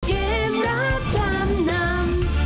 เกมรับทางน้ำ